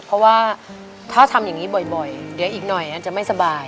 เพราะว่าถ้าทำอย่างนี้บ่อยเดี๋ยวอีกหน่อยอันจะไม่สบาย